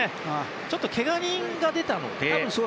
ちょっと、けが人が出たので。